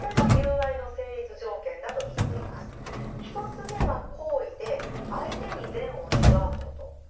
１つ目は好意で相手に善を願うこと。